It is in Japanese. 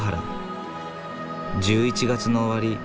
１１月の終わり